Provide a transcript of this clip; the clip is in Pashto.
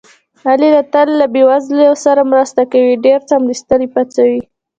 علي له تل له بې وزلو سره مرسته کوي. ډېر څملاستلي پاڅوي.